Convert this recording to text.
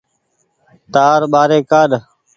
تآر ٻآري ڪآڏ۔